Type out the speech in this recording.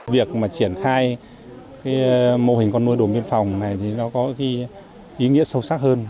việc mà triển khai cái mô hình con nuôi đồn biên phòng này thì nó có ý nghĩa sâu sắc hơn